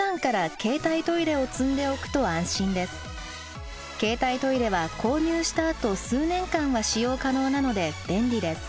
携帯トイレは購入したあと数年間は使用可能なので便利です。